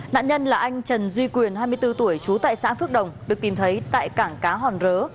nạn nhân là anh trần duy quyền hai mươi bốn tuổi trú tại xã phước đồng được tìm thấy tại cảng cá hòn rớ